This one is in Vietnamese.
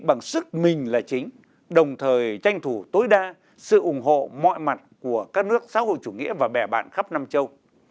bằng sức mình là chính đồng thời tranh thủ tối đa sự ủng hộ mọi mặt của các nước xã hội chủ nghĩa và bè bạn khắp nam châu